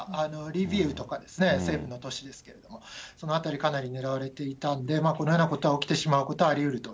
リビウとかですね、西部の都市ですけど、そのあたり、かなり狙われていたんで、このようなことが起きてしまうことはありうると。